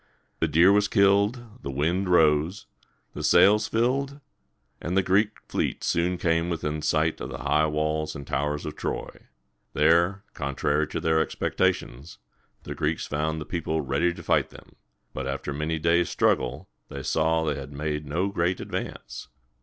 The deer was killed, the wind rose, the sails filled, and the Greek fleet soon came within sight of the high walls and towers of Troy. There, contrary to their expectations, the Greeks found the people ready to fight them; but, after many days' struggle, they saw that they had made no great advance.